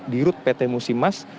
dirut pt musimas